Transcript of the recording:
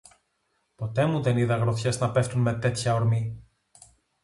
Ποτέ μου δεν είδα γροθιές να πέφτουν με τέτοια ορμή